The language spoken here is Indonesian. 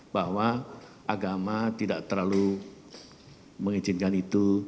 bahwa agama tidak terlalu mengizinkan itu